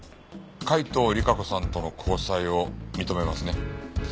海東莉華子さんとの交際を認めますね？